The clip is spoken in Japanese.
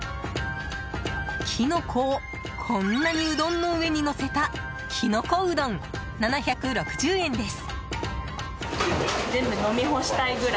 キノコをこんなにうどんの上にのせたきのこうどん、７６０円です。